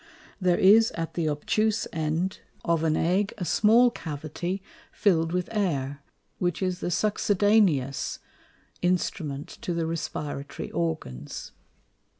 There is at the obtuse end of an Egg a small Cavity fill'd with Air, which is the succedaneous Instrument to the Respiratory Organs.